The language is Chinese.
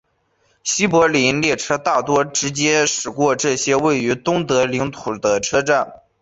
西柏林列车大多直接驶过这些位于东德领土的车站。